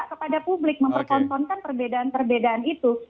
kepada publik mempertontonkan perbedaan perbedaan itu